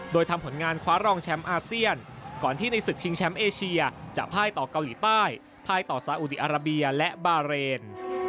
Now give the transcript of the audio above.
โดยทำผลงานคว้ารองแชมป์อาเซียนก่อนที่ในศึกชิงแชมป์เอเชียจะพ่ายต่อเกาหลีใต้พ่ายต่อสาอุดีอาราเบียและบาเรน